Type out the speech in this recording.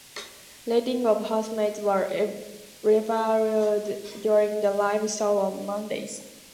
Ratings of housemates were revealed during the live show on Mondays.